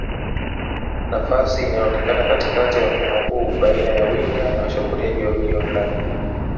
Nafasi inayoonekana katikati ya mfumo huu baina ya winga na washambuliaji wawili wa ndani